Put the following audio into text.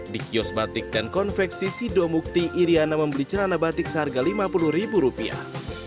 di kios batik dan konveksi sidomukti iriana membeli celana batik seharga lima puluh ribu rupiah